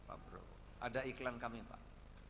ada iklan kami pak